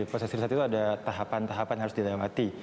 proses riset itu ada tahapan tahapan yang harus dilemati